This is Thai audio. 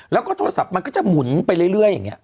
แล้วก็โทรศัพท์มันก็จะหมุนไปเรื่อย